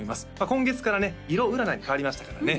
今月からね色占いに変わりましたからね